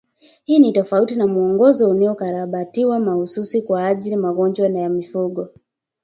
Hii ni tofauti na mwongozo uliokarabatiwa mahsusi kwa ajili magonjwa ya mifugo